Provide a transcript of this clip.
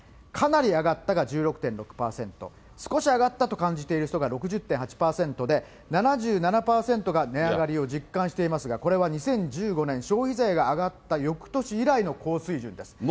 かなり上がったが１６．６％、少し上がったと感じている人が６０．８％で、７７％が値上がりを実感していますが、これは２０１５年、消費税が上がった、よくとし以来の高水準です。